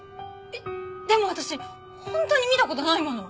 えっでも私本当に見た事ないもの！